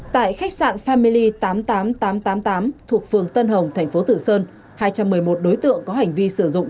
tại khách sạn family tám mươi tám nghìn tám trăm tám mươi tám thuộc phường tân hồng thành phố tử sơn hai trăm một mươi một đối tượng có hành vi sử dụng